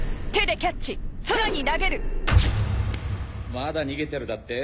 まだ逃げてるだって？